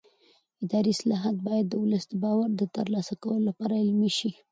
اداري اصلاحات باید د ولس د باور د ترلاسه کولو لپاره عملي شي